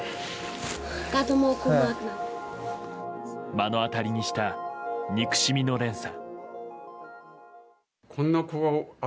目の当たりにした憎しみの連鎖。